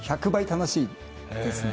楽しいですね。